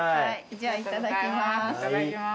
じゃあいただきます。